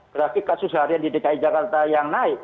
grafik kasus harian di dki jakarta yang naik